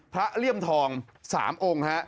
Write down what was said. เลี่ยมทอง๓องค์ฮะ